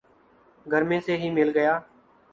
گھر میں سے ہی مل گیا